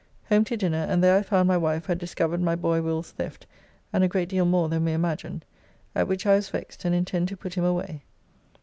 Home to dinner, and there I found my wife had discovered my boy Will's theft and a great deal more than we imagined, at which I was vexed and intend to put him away.